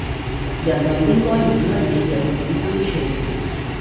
人類應該以乜嘢樣子生存